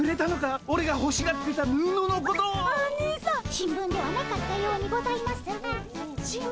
新聞ではなかったようにございますが。